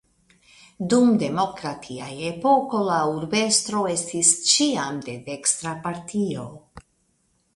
Dum demokratia epoko la urbestro estis ĉiam de dekstra partio.